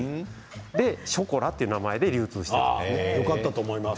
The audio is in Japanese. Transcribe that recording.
それでショコラという名前で流通しています。